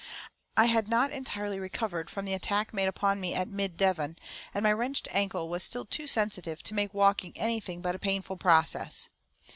I had not entirely recovered from the attack made upon me at Mid Devon, and my wrenched ankle was still too sensitive to make walking anything but a painful process.